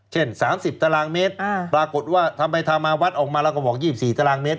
๓๐ตารางเมตรปรากฏว่าทำไปทำมาวัดออกมาแล้วก็บอก๒๔ตารางเมตร